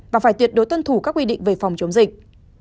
và phải tuyệt đối tuân thủ các quy định về phòng chống dịch